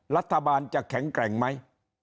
รัฐบาลจะแข็งแกร่งไหม